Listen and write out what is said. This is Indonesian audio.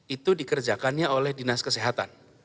itu dikerjakannya oleh dinas kesehatan